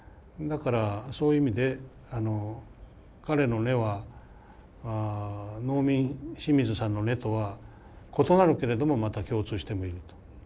だからそういう意味で彼の根は農民清水さんの根とは異なるけれどもまた共通してもいると。